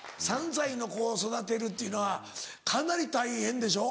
３歳の子を育てるっていうのはかなり大変でしょ？